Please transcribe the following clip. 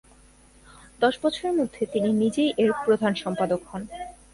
দশ বছরের মধ্যে তিনি নিজেই এর প্রধান সম্পাদক হন।